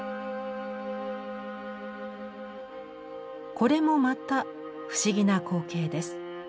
これもまた不思議な光景です。